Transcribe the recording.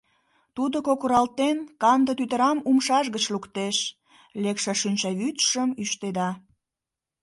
Тудо, кокыралтен, канде тӱтырам умшаж гыч луктеш, лекше шинчавӱдшым ӱштеда.